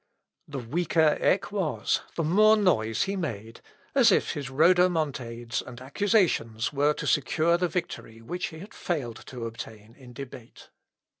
The weaker Eck was, the more noise he made, as if his rhodomontades and accusations were to secure the victory which he had failed to obtain in debate.